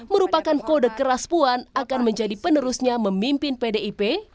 merupakan kode keras puan akan menjadi penerusnya memimpin pdip